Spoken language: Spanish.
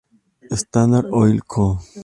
Standard Oil Co.